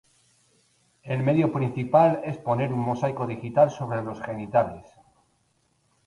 El medio principal es poner un mosaico digital sobre los genitales.